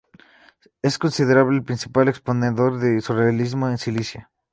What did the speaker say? Es considerado el principal exponente del surrealismo en Sicilia.